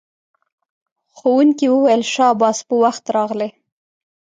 ښوونکی وویل شاباس په وخت راغلئ.